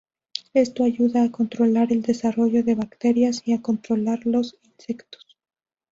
Esto ayuda a controlar el desarrollo de bacterias y a controlar los insectos.